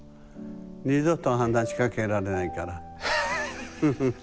二度と話しかけられないから。